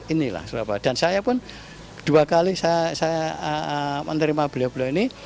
inilah surabaya dan saya pun dua kali saya menerima beliau beliau ini